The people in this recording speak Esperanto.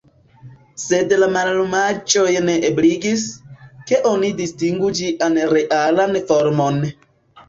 Sed la mallumaĵoj ne ebligis, ke oni distingu ĝian realan formon.